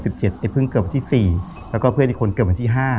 แต่เพิ่งเกิดวันที่๔แล้วก็เพื่อนอีกคนเกิดวันที่๕